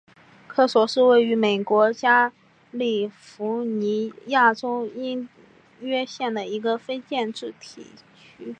科索是位于美国加利福尼亚州因约县的一个非建制地区。